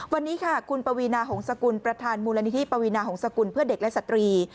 วันนี้ค่ะคุณปวีนาหงษกุลประธานมูลนิธิปวีนาหงษกุลเพื่อเด็กและสตรี